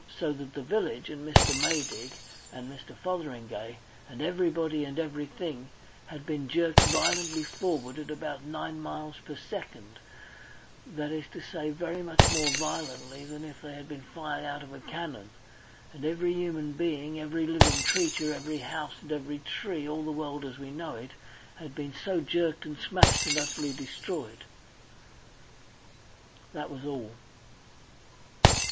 So that the village, and Mr. Maydig, and Mr. Fotheringay, and everybody and everything had been jerked violently forward at about nine miles per second that is to say, much more violently than if they had been fired out of a cannon. And every human being, every living creature, every house, and every tree all the world as we know it had been so jerked and smashed and utterly destroyed. That was all.